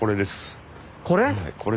これ？